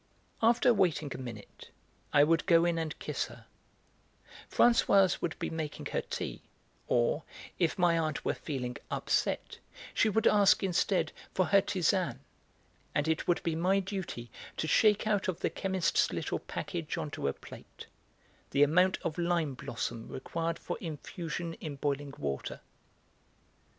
After waiting a minute, I would go in and kiss her; Françoise would be making her tea; or, if my aunt were feeling 'upset,' she would ask instead for her 'tisane,' and it would be my duty to shake out of the chemist's little package on to a plate the amount of lime blossom required for infusion in boiling water.